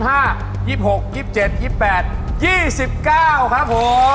หัวขัดเป็น๒๐เป็น๔๙แฟ้ม